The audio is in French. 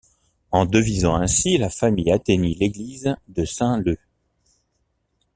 En devisant ainsi, la famille atteignit l’église de Saint-Leu.